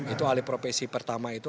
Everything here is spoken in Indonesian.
itu aliprofesi pertama itu